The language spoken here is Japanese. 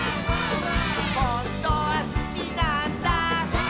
「ほんとはすきなんだ」